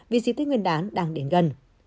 vì di tích nguyên đán đang đến gần